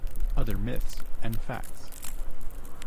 Other Myths and Facts